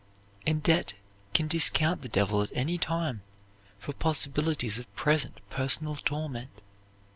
And debt can discount the devil at any time for possibilities of present personal torment.